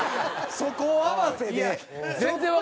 そこ合わせで。